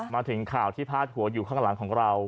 มาถึงข่าวที่พาดหัวอยู่ข้างหลังของเรา